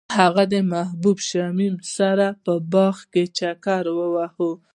هغوی د محبوب شمیم سره په باغ کې چکر وواهه.